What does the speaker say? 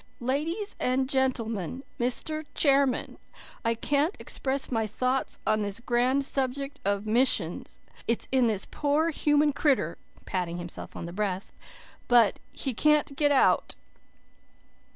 "'Ladies and gentlemen, Mr. Chairman, I can't express my thoughts on this grand subject of missions. It's in this poor human critter' patting himself on the breast 'but he can't git it out.